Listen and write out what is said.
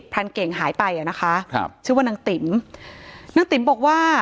รานเก่งหายไปอ่ะนะคะครับชื่อว่านางติ๋มนางติ๋มบอกว่า